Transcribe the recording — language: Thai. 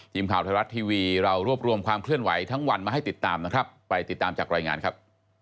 ทีมข่าวไทยรัฐทีวีเรารวบรวมความเคลื่อนไหวทั้งวันมาให้ติดตามนะครับไปติดตามจากรายงานครับ